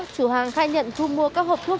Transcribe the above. chủ hàng khai nhận thu mua các hộp thuốc